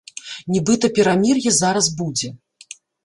Нібыта перамір'е зараз будзе.